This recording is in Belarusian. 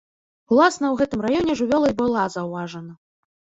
Уласна ў гэтым раёне жывёла і была заўважана.